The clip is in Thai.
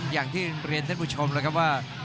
อย่างที่เป็นเรียนได้บุชมละครับว่า